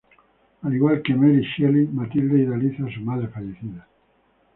Al igual que Mary Shelley, Matilda idealiza a su madre fallecida.